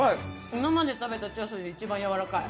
今まで食べたチャーシューで一番軟らかい。